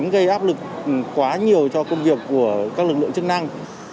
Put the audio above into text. gây áp lực quá nhiều cho công việc của các lực lượng chức năng